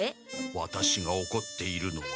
ワタシがおこっているのは。